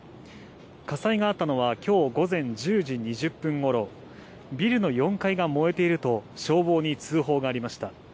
火災があったのは、今日午前１０時２０分頃、「ビルの４階が燃えている」と消防に通報がありました。